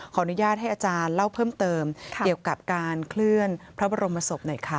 อนุญาตให้อาจารย์เล่าเพิ่มเติมเกี่ยวกับการเคลื่อนพระบรมศพหน่อยค่ะ